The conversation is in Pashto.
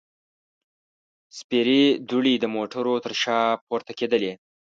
سپېرې دوړې د موټرو تر شا پورته کېدلې.